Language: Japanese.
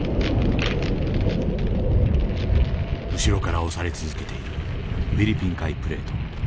後ろから押され続けているフィリピン海プレート。